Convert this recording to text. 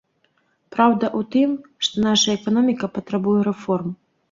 Праўда ў тым, што наша эканоміка патрабуе рэформ.